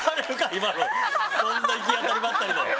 今のそんな行き当たりばったりの。